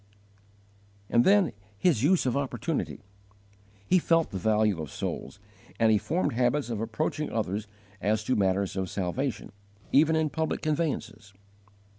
11. His use of opportunity. He felt the value of souls, and he formed habits of approaching others as to matters of salvation, even in public conveyances.